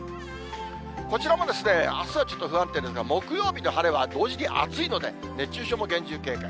こちらもあすはちょっと不安定ですが、木曜日の晴れは同時に暑いので、熱中症も厳重警戒。